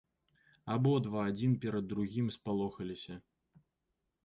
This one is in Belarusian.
Абодва адзін перад другім спалохаліся.